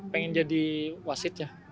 pengen jadi wasit ya